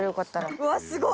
うわっすごい！